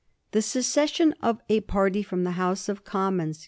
The secession of a party from the House of Commons can 11Z9.